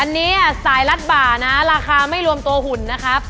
อันนี้สายรัดบ่านะราคาไม่รวมตัวหุ่นนะครับ